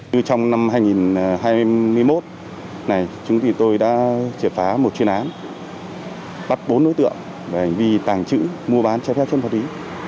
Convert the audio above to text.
từ trong năm hai nghìn hai mươi một này chúng tôi đã triển phá một chuyên án bắt bốn đối tượng vì tàng trữ mua bán trái phép chân ma túy